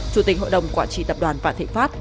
chủ tịch hội đồng quản trị tập đoàn vạn thịnh pháp